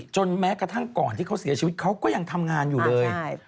แม้กระทั่งก่อนที่เขาเสียชีวิตเขาก็ยังทำงานอยู่เลย